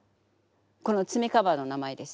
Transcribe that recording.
この爪カバーの名前です。